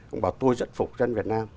ông bảo tôi rất phục dân việt nam